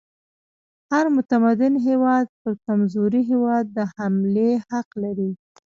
هر متمدن هیواد پر کمزوري هیواد د حملې حق لري.